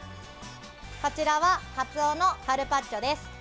こちらはカツオのカルパッチョです。